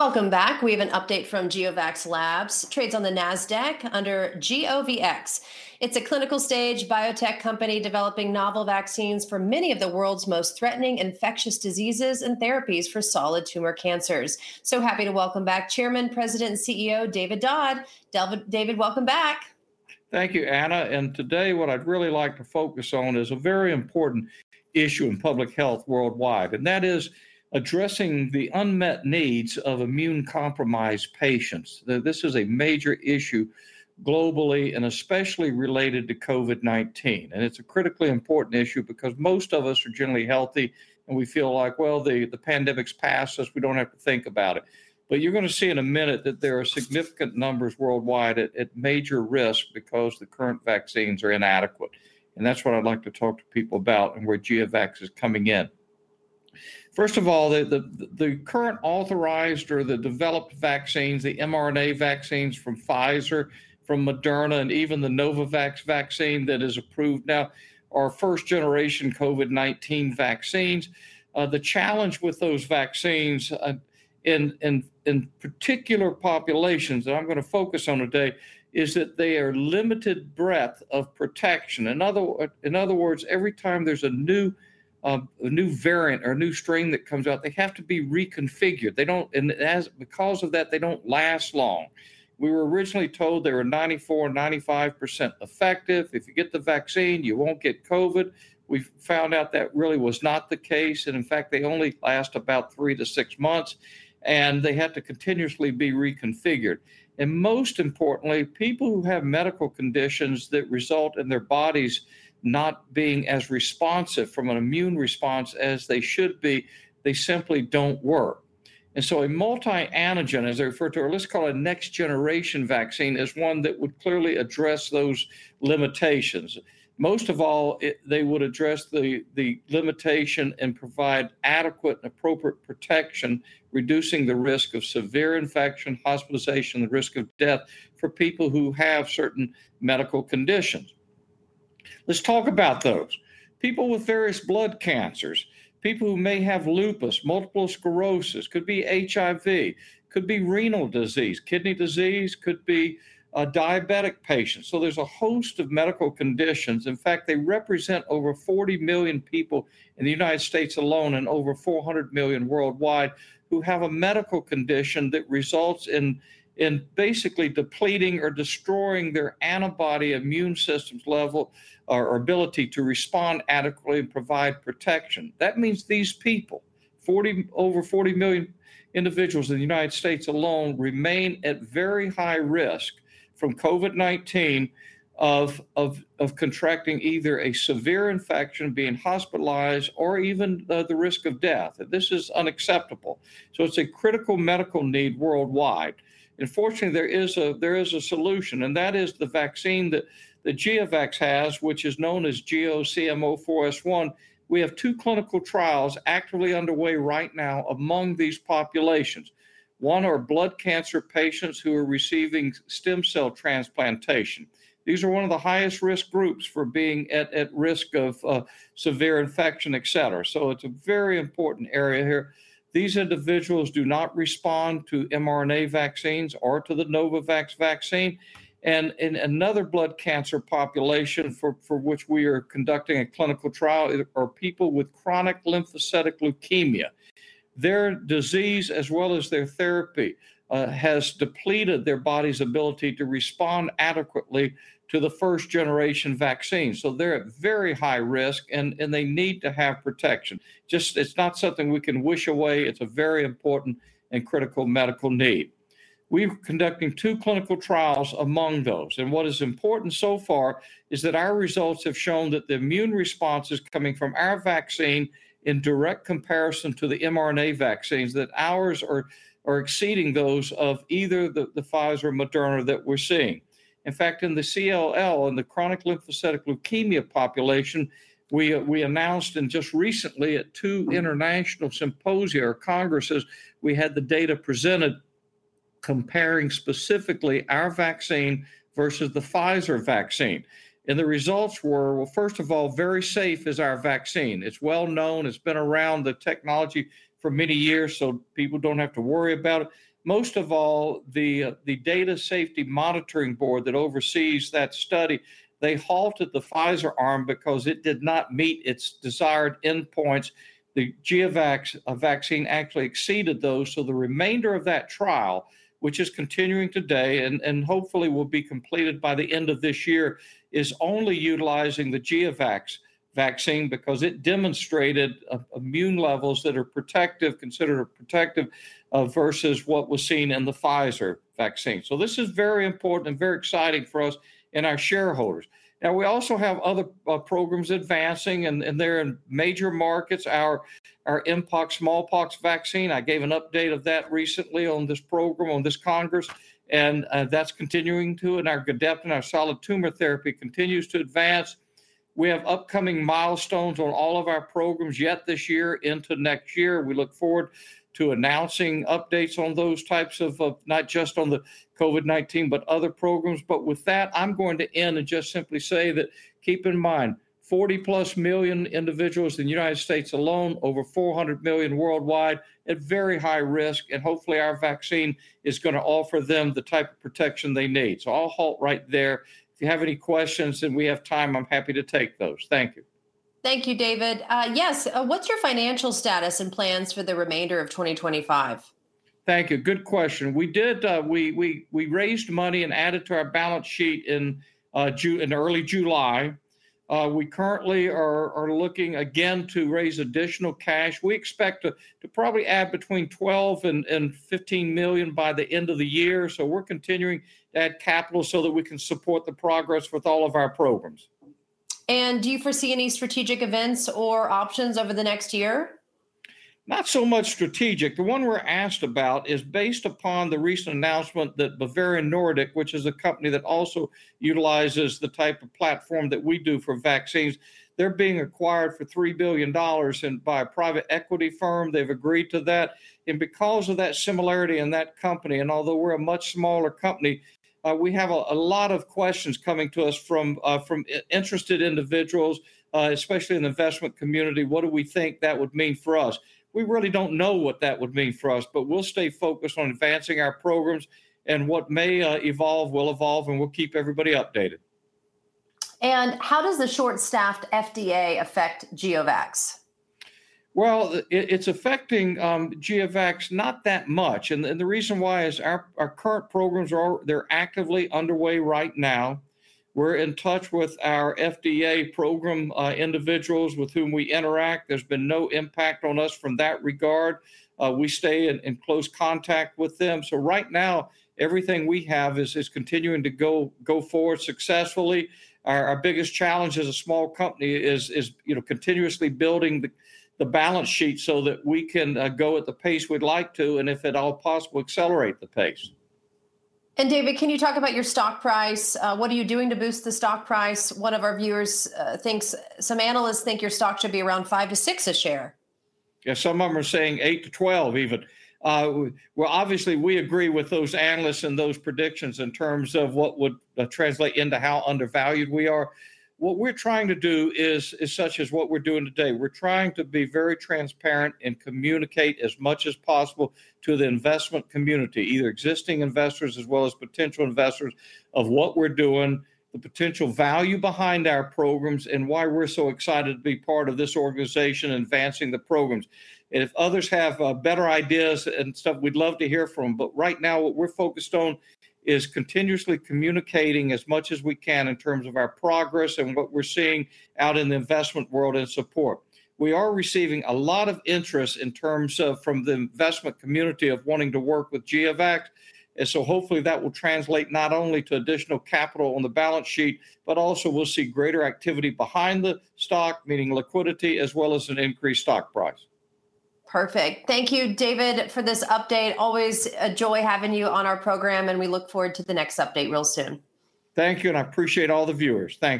Welcome back. We have an update from GeoVax Labs. Trades on the NASDAQ under GeoVax. It's a clinical-stage biotech company developing novel vaccines for many of the world's most threatening infectious diseases and therapies for solid tumor cancers. So happy to welcome back Chairman, President, and CEO David A. Dodd. David, welcome back. Thank you, Anna. Today what I'd really like to focus on is a very important issue in public health worldwide, and that is addressing the unmet needs of immunocompromised patients. This is a major issue globally and especially related to COVID-19. It's a critically important issue because most of us are generally healthy and we feel like, the pandemic's passed us. We don't have to think about it. You're going to see in a minute that there are significant numbers worldwide at major risk because the current vaccines are inadequate. That's what I'd like to talk to people about and where GeoVax Labs is coming in. First of all, the current authorized or the developed vaccines, the mRNA vaccines from Pfizer, from Moderna, and even the Novavax vaccine that is approved now, are first-generation COVID-19 vaccines. The challenge with those vaccines, in particular populations that I'm going to focus on today, is that they are limited breadth of protection. In other words, every time there's a new variant or a new strain that comes out, they have to be reconfigured. Because of that, they don't last long. We were originally told they were 94-95% effective. If you get the vaccine, you won't get COVID. We found out that really was not the case. In fact, they only last about three to six months, and they had to continuously be reconfigured. Most importantly, people who have medical conditions that result in their bodies not being as responsive from an immune response as they should be, they simply don't work. A multi-antigen, as they refer to it, or let's call it a next-generation vaccine, is one that would clearly address those limitations. Most of all, they would address the limitation and provide adequate and appropriate protection, reducing the risk of severe infection, hospitalization, and the risk of death for people who have certain medical conditions. Let's talk about those. People with various blood cancers, people who may have lupus, multiple sclerosis, could be HIV, could be renal disease, kidney disease, could be diabetic patients. There's a host of medical conditions. In fact, they represent over 40 million people in the United States alone and over 400 million worldwide who have a medical condition that results in basically depleting or destroying their antibody immune system's level or ability to respond adequately and provide protection. That means these people, over 40 million individuals in the U.S. alone, remain at very high risk from COVID-19 of contracting either a severe infection, being hospitalized, or even the risk of death. This is unacceptable. It's a critical medical need worldwide. Fortunately, there is a solution, and that is the vaccine that GeoVax has, which is known as GEO-CM04S1. We have two clinical trials actively underway right now among these populations. One are blood cancer patients who are receiving stem cell transplantation. These are one of the highest risk groups for being at risk of severe infection, et cetera. It's a very important area here. These individuals do not respond to mRNA vaccines or to the Novavax vaccine. In another blood cancer population for which we are conducting a clinical trial are people with chronic lymphocytic leukemia. Their disease, as well as their therapy, has depleted their body's ability to respond adequately to the first-generation vaccines. They're at very high risk, and they need to have protection. It's not something we can wish away. It's a very important and critical medical need. We're conducting two clinical trials among those. What is important so far is that our results have shown that the immune response is coming from our vaccine in direct comparison to the mRNA vaccines, that ours are exceeding those of either the Pfizer or Moderna that we're seeing. In fact, in the CLL, in the chronic lymphocytic leukemia population, we announced just recently at two international symposia or congresses, we had the data presented comparing specifically our vaccine versus the Pfizer vaccine. The results were, first of all, very safe is our vaccine. It's well known. It's been around, the technology, for many years, so people don't have to worry about it. Most of all, the Data Safety Monitoring Board that oversees that study halted the Pfizer arm because it did not meet its desired endpoints. The GeoVax vaccine actually exceeded those. The remainder of that trial, which is continuing today and hopefully will be completed by the end of this year, is only utilizing the GeoVax vaccine because it demonstrated immune levels that are protective, considered protective, versus what was seen in the Pfizer vaccine. This is very important and very exciting for us and our shareholders. We also have other programs advancing, and they're in major markets. Our mpox/smallpox vaccine, I gave an update of that recently on this program, on this Congress, and that's continuing to, and our Gedeptin and our solid tumor therapy continues to advance. We have upcoming milestones on all of our programs yet this year into next year. We look forward to announcing updates on those types of, not just on the COVID-19, but other programs. With that, I'm going to end and just simply say that keep in mind, 40+ million individuals in the U.S. alone, over 400 million worldwide, at very high risk, and hopefully our vaccine is going to offer them the type of protection they need. I'll halt right there. If you have any questions and we have time, I'm happy to take those. Thank you. Thank you, David. Yes, what's your financial status and plans for the remainder of 2025? Thank you. Good question. We did, we raised money and added to our balance sheet in early July. We currently are looking again to raise additional cash. We expect to probably add between $12 million and $15 million by the end of the year. We are continuing to add capital so that we can support the progress with all of our programs. Do you foresee any strategic events or options over the next year? Not so much strategic. The one we're asked about is based upon the recent announcement that Bavarian Nordic, which is a company that also utilizes the type of platform that we do for vaccines, they're being acquired for $3 billion by a private equity firm. They've agreed to that. Because of that similarity in that company, and although we're a much smaller company, we have a lot of questions coming to us from interested individuals, especially in the investment community. What do we think that would mean for us? We really don't know what that would mean for us, but we'll stay focused on advancing our programs, and what may evolve will evolve, and we'll keep everybody updated. How does the short-staffed FDA affect GeoVax? It's affecting GeoVax not that much. The reason why is our current programs, they're actively underway right now. We're in touch with our FDA program individuals with whom we interact. There's been no impact on us from that regard. We stay in close contact with them. Right now, everything we have is continuing to go forward successfully. Our biggest challenge as a small company is continuously building the balance sheet so that we can go at the pace we'd like to, and if at all possible, accelerate the pace. David, can you talk about your stock price? What are you doing to boost the stock price? One of our viewers thinks some analysts think your stock should be around $5 to $6 a share. Some of them are saying $8 to $12 even. Obviously, we agree with those analysts and those predictions in terms of what would translate into how undervalued we are. What we're trying to do is such as what we're doing today. We're trying to be very transparent and communicate as much as possible to the investment community, either existing investors as well as potential investors, of what we're doing, the potential value behind our programs, and why we're so excited to be part of this organization and advancing the programs. If others have better ideas and stuff, we'd love to hear from them. Right now, what we're focused on is continuously communicating as much as we can in terms of our progress and what we're seeing out in the investment world and support. We are receiving a lot of interest in terms of from the investment community of wanting to work with GeoVax. Hopefully that will translate not only to additional capital on the balance sheet, but also we'll see greater activity behind the stock, meaning liquidity, as well as an increased stock price. Perfect. Thank you, David, for this update. Always a joy having you on our program, and we look forward to the next update real soon. Thank you, and I appreciate all the viewers. Thanks.